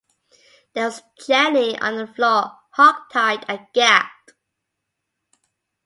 There was Jenny on the floor, hogtied and gagged.